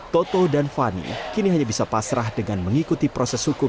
toto dan fani kini hanya bisa pasrah dengan mengikuti proses hukum